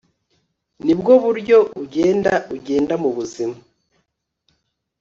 nibwo buryo ugenda ugenda mubuzima